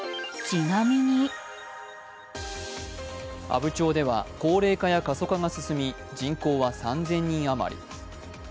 阿武町では高齢化や過疎化が進み人口は３０００人余り。